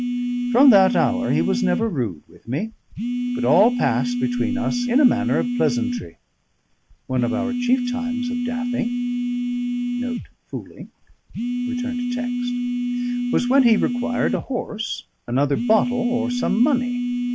From that hour he was never rude with me, but all passed between us in a manner of pleasantry. One of our chief times of daffing was when he required a horse, another bottle, or some money.